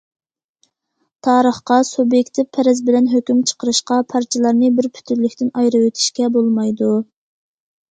تارىخقا سۇبيېكتىپ پەرەز بىلەن ھۆكۈم چىقىرىشقا، پارچىلارنى بىر پۈتۈنلۈكتىن ئايرىۋېتىشكە بولمايدۇ.